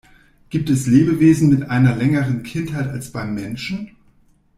Gibt es Lebewesen mit einer längeren Kindheit als beim Menschen?